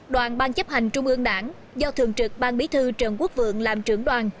đoàn bang chấp hành trung ương đảng do thường trực bang bí thư trần quốc vượng làm trưởng đoàn